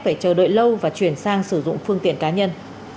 phải chờ đợi lâu và chuyển sang sử dụng phương tiện cá nhân